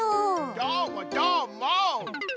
どーもどーも！